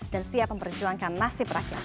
dan siap memperjuangkan nasib rakyat